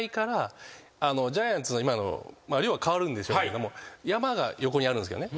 ジャイアンツの今の寮は変わるんでしょうけども山が横にあるんですけどね。